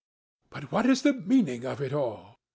"But what is the meaning of it all?"